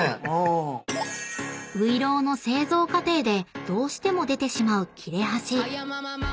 ［ういろうの製造過程でどうしても出てしまう切れ端］